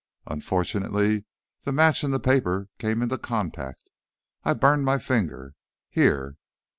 "Unfortunately, the match and the paper came into contact. I burned my finger. Here."